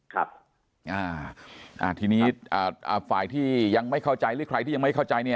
ครับอ่าทีนี้ฝ่ายที่ยังไม่เข้าใจหรือใครที่ยังไม่เข้าใจเนี่ย